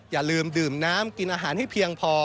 อย่าลืมดื่มน้ำกินอาหารให้เพียงพอ